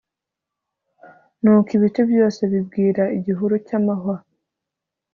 nuko ibiti byose bibwira igihuru cy'amahwa